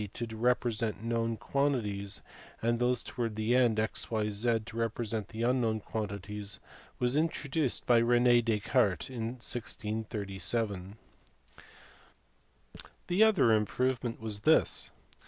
to represent known quantities and those towards the end, x, y, z <fec. to represent the unknown quantities was introduced by Descartes in 1637. The other improvement was this.